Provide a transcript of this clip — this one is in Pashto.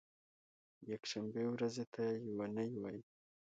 یکشنبې ورځې ته یو نۍ وایی